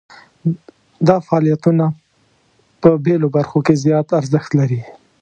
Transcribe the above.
دا فعالیتونه په بیلو برخو کې زیات ارزښت لري.